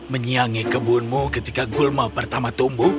menyiangi kebunmu ketika gulma pertama tumbuh